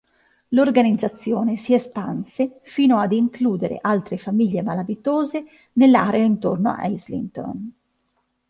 L'organizzazione si espanse fino ad includere altre famiglie malavitose dell'area intorno a Islington.